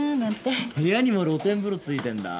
部屋にも露天風呂付いてんだ。